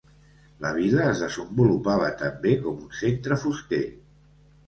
La vila es desenvolupava també com un centre fuster.